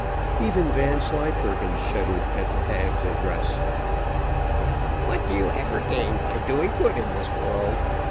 Even Vanslyperken shuddered at the hag's address. "What do you ever gain by doing good in this world?